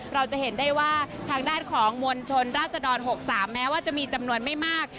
เราจะเห็นได้ว่าทางด้านของมวลชนราชดร๖๓แม้ว่าจะมีจำนวนไม่มาก